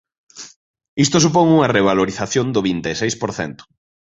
Isto supón unha revalorización do vinte e seis por cento.